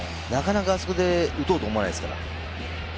なかなかあそこで打とうと思わないですから。